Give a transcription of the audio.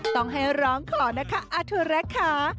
ต้องให้ร้องขอนะคะอาทัวร์และขา